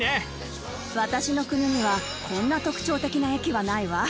私の国にはこんな特徴的な駅はないわ。